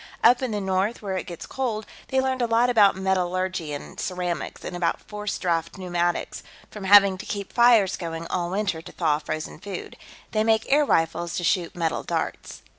Up in the north, where it gets cold, they learned a lot about metallurgy and ceramics, and about forced draft pneumatics, from having to keep fires going all winter to thaw frozen food. They make air rifles, to shoot metal darts."